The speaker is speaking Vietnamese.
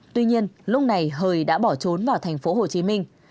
tuy nhiên lúc này hời đã bỏ trốn vào thành phố hồ chí minh